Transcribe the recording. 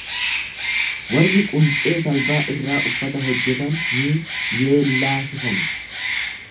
Warri quncee talbaa irraa uffata hojjetan ni yeellaasifamu.